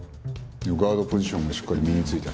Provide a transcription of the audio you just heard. ガードポジションがしっかり身についたら。